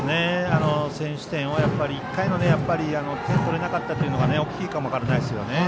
先取点を１回で点が取れなかったのが大きいかも分からないですね。